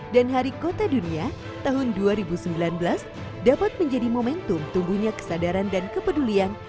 dan hari kota dunia tahun dua ribu sembilan belas dapat menjadi momentum tumbuhnya kesadaran dan kepedulian